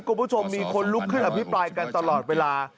คุณผู้ชมมีคนลุกขึ้นอภิปรายกันตลอดเวลา